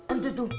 em tuh tuh